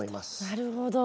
なるほど。